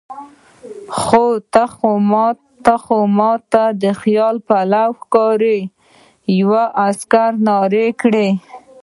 خو ما ته خیال پلو ښکاري، یوه عسکر نارې کړې.